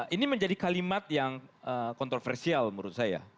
ini menjadi kalimat yang kontroversial menurut saya